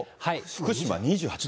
福島２８度。